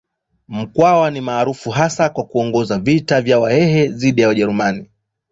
Mkwawa ni maarufu hasa kwa kuongoza vita vya Wahehe dhidi ya Wajerumani.